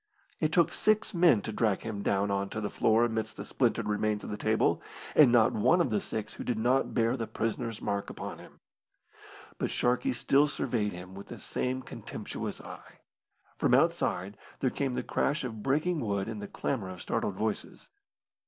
It took six men to drag him down on to the floor amidst the splintered remains of the table and not one of the six who did not bear the prisoner's mark upon him. But Sharkey still surveyed him with the same contemptuous eye. From outside there came the crash of breaking wood and the clamour of startled voices.